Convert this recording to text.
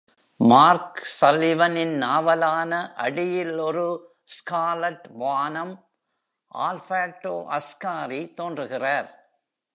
Mark சல்லிவனின் நாவலான "அடியில் ஒரு ஸ்கார்லட் வானம்" ஆல்பர்டோ அஸ்காரி தோன்றுகிறார்.